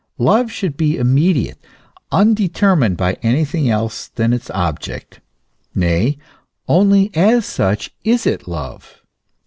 Love should be immediate, undetermined by anything else than its ob ject; nay, only as such is it love.